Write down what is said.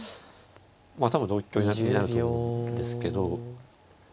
まあ多分同香になると思うんですけど。